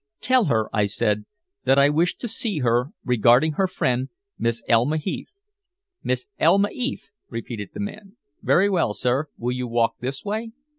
"Tell her," I said, "that I wish to see her regarding her friend, Miss Elma Heath." "Miss Elma 'Eath," repeated the man. "Very well, sir. Will you walk this way?"